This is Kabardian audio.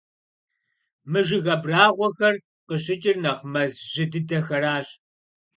Мы жыг абрагъуэхэр къыщыкӀыр нэхъ мэз жьы дыдэхэращ.